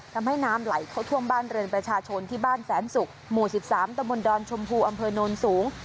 น้ำไหลเข้าท่วมบ้านเรือนประชาชนที่บ้านแสนศุกร์หมู่๑๓ตะบนดอนชมพูอำเภอโนนสูง